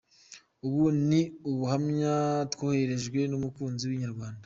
Ubu ni ubuhamya twohererejwe numukunzi winyarwanda.